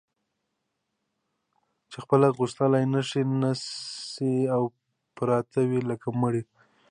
چي خپل حق غوښتلای نه سي او پراته وي لکه مړي